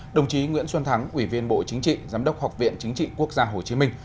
đồng chí nguyễn xuân thắng ủy viên bộ chính trị giám đốc học viện chính trị quốc gia hồ chí minh